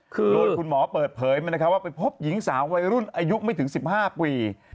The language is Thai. คือโดยคุณหมอเปิดเผยว่าไปพบหญิงสาววัยรุ่นอายุไม่ถึง๑๕ปี